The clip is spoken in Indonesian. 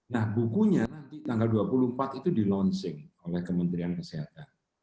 nah bukunya nanti tanggal dua puluh empat itu di launching oleh kementerian kesehatan